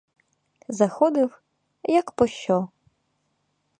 Заходив — як по що.